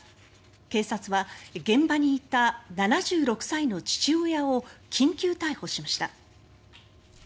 警察は現場にいた７６歳の父親を緊急逮捕しました。